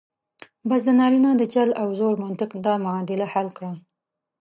بس د نارینه د چل او زور منطق دا معادله حل کړه.